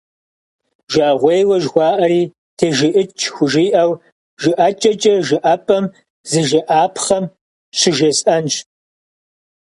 Жыӏэгъуейуэ жыхуаӏэри, тежыӏыкӏ хужыӏэу жыӏэкӏэкӏэ жыӏэпӏэм зыжеӏапхъэм щыжесӏэнщ.